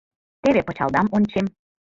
Теве пычалдам ончем.